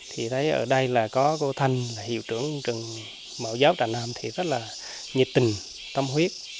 thì thấy ở đây là có cô thanh là hiệu trưởng trường mẫu giáo trà nam thì rất là nhiệt tình tâm huyết